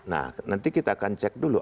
nah nanti kita akan cek dulu